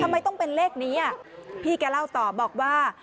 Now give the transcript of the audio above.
ทำไมต้องเป็นเลขนี้พี่แกเล่าต่อบอกว่า